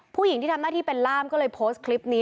ผู้หญิงที่ทำหน้าที่เป็นล่ามก็เลยโพสต์คลิปนี้